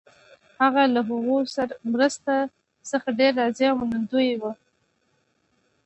هغه له هغو مرستو څخه ډېر راضي او منندوی وو.